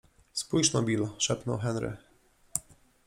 - Spójrz no, Bill - szepnął Henry.